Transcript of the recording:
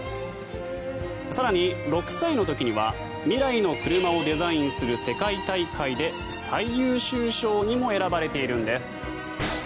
更に６歳の時には未来の車をデザインする世界大会で最優秀賞にも選ばれているんです。